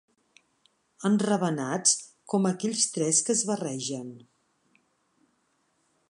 Enravenats com aquells tres que es barregen.